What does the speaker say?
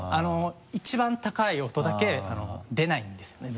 一番高い音だけ出ないんですよね